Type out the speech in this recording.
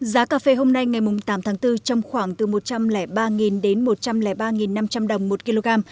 giá cà phê hôm nay ngày tám tháng bốn trong khoảng từ một trăm linh ba đến một trăm linh ba năm trăm linh đồng một kg